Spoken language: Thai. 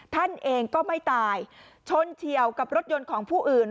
ท่านเองก็ไม่ตายชนเฉียวกับรถยนต์ของผู้อื่น